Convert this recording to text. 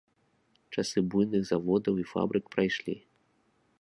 Часы буйных заводаў і фабрык прайшлі.